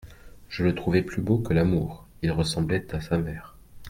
Je le trouvais plus beau que l'Amour : il ressemblait à sa mère.